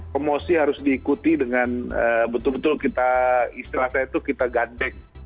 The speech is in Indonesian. promosi harus diikuti dengan betul betul kita istilah saya itu kita gun back